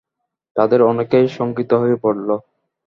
তাদের অনেকেই শঙ্কিত হয়ে পড়ল।